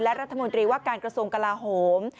และรัฐมนตรีว่าการกระทรวงกลาโหม